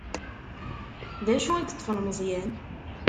D acu i yeṭṭfen Meẓyan?